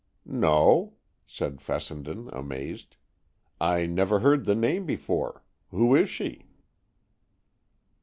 "No," said Fessenden, amazed; "I never heard the name before. Who is she?"